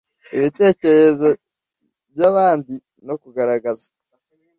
Ibitekerezo by abandi no kugaragaza